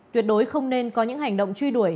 tuyệt đối không nên có những hành động truy đuổi